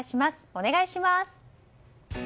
お願いします。